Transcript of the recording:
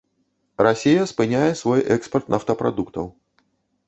Расія спыняе свой экспарт нафтапрадуктаў.